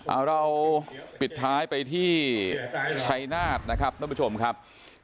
เอาเราปิดท้ายไปที่ชัยนาธนะครับท่านผู้ชมครับ